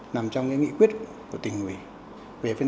nằm trong nghị quyết của tỉnh nguyễn